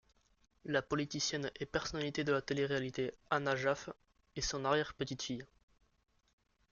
La politicienne et personnalité de la télé-réalité Hanna Jaff est son arrière-petite-fille.